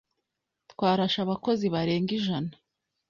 Twarashe abakozi barenga ijana.